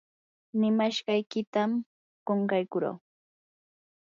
nimashqaykitam qunqaykurquu.